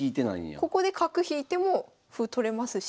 ここで角引いても歩取れますし。